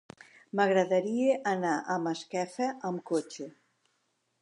M'agradaria anar a Masquefa amb cotxe.